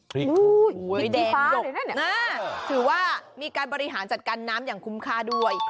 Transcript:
พริกชี้ฟ้าถือว่ามีการบริหารจัดการน้ำอย่างคุ้มค่าด้วย